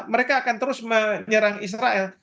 mereka akan terus menyerang israel